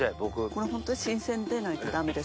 これホントに新鮮でないとダメですね。